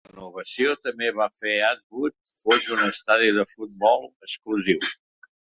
La renovació també va fer Atwood fos un estadi de futbol exclusiu.